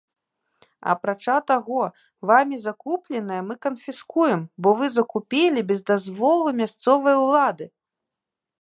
Апрача таго, вамі закупленае мы канфіскуем, бо вы закупілі без дазволу мясцовай улады!